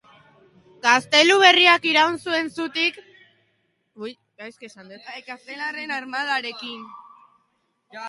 Gaztelu berriak iraun zuen zutik, gaztelarren armadarekin.